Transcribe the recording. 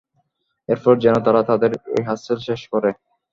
এরপর যেন তারা তাদের রিহার্সেল শেষ করে!